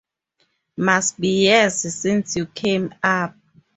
Must be years since you came up.